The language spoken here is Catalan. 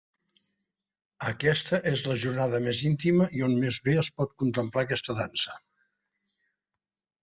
Aquesta és la jornada més íntima i on més bé es pot contemplar aquesta dansa.